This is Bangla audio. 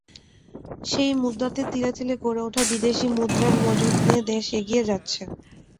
সেই মুদ্রাতে তিলে তিলে গড়ে ওঠা বিদেশি মুদ্রার মজুত নিয়ে দেশ এগিয়ে যাচ্ছে।